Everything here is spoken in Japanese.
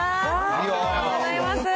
ありがとうございます。